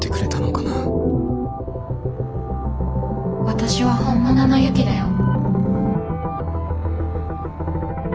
私は本物のユキだよ。